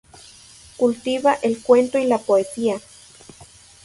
Cultiva el cuento y la poesía.